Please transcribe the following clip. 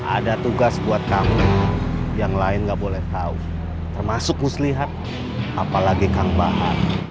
ada tugas buat kamu yang lain gak boleh tahu termasuk muslihat apalagi kang bahar